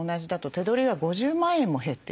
手取りは５０万円も減っている。